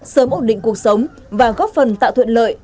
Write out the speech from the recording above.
sớm ổn định cuộc sống và góp phần tạo thuận lợi